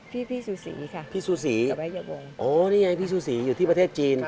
พี่พี่ซูสีค่ะพี่ซูสีวงโอ้นี่ไงพี่ซูสีอยู่ที่ประเทศจีน